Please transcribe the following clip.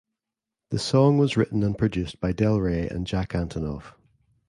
The song was written and produced by Del Rey and Jack Antonoff.